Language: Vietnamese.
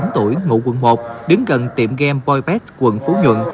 hai mươi chín tuổi ngủ quận một đứng gần tiệm game boy pet quận phú nhuận